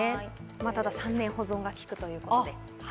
ただ３年保存がきくということで。